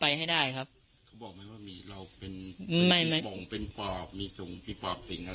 มีปลอบสิ่งอะไร